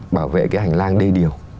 bảo vệ cái hành lang đê điều